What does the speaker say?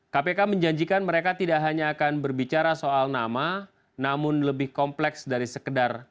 kpk menjanjikan mereka tidak hanya akan berbicara soal nama namun lebih kompleks dari sekedar